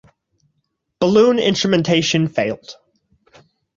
Balloon instrumentation failed.